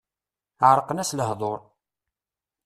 Ɛerqen-as lehdur.